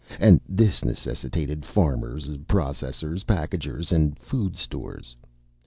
And this necessitated farmers, processors, packagers, and food stores.